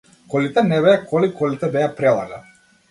Колите не беа коли, колите беа прелага.